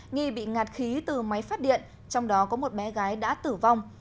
nghi bị ngạt khí từ máy phát điện trong đó có một bé gái đã tử vong